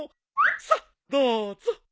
さっどうぞ。